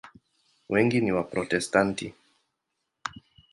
Wengi ni Waprotestanti.